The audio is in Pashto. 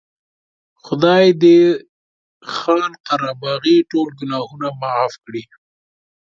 خدای دې خان قره باغي ټول ګناهونه معاف کړي.